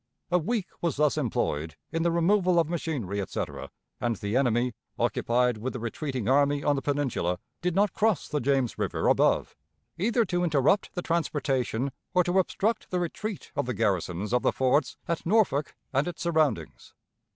A week was thus employed in the removal of machinery, etc, and the enemy, occupied with the retreating army on the Peninsula, did not cross the James River above, either to interrupt the transportation or to obstruct the retreat of the garrisons of the forts at Norfolk and its surroundings.